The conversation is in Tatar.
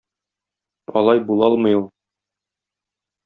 Алай була алмый ул.